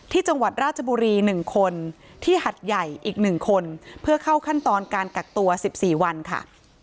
ที่จังหวัดราชบุรี๑คนที่หัดใหญ่อีก๑คนเพื่อเข้าขั้นตอนการกักตัว๑๔วันค่ะ